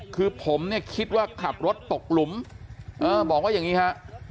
คือผมเนี่ยคิดว่าขับรถตกหลุมบอกว่าอย่างนี้ฮะ